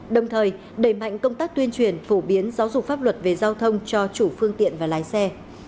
đồng thời đẩy mạnh công tác tuyên truyền phổ biến giáo dục pháp luật về giao thông cho chủ phương tiện và lái xe